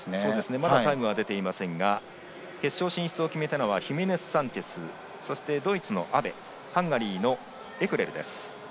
まだタイムは出ていませんが決勝進出を決めたのはヒメネスサンチェスそして、ドイツのアベハンガリーのエクレルです。